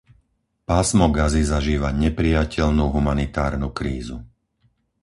Pásmo Gazy zažíva neprijateľnú humanitárnu krízu.